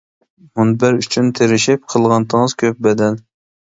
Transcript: مۇنبەر ئۈچۈن تىرىشىپ، قىلغانتىڭىز كۆپ بەدەل.